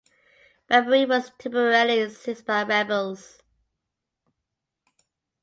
Bambari was temporarily seized by rebels.